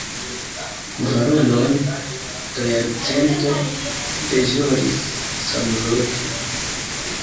Kvaronon da jarcento li deĵoris samloke.